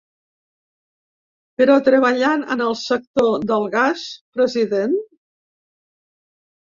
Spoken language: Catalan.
Però treballant en el sector del gas, president?